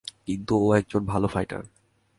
কিন্তু ও একজন ভালো ফাইটার।